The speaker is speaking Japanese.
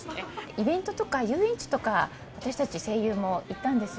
イベントとか、遊園地とか、私たち声優も行ったんですよ。